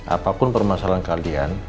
apapun permasalahan kalian